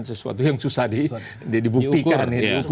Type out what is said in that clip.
sesuatu yang susah dibuktikan